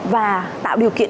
và tạo điều kiện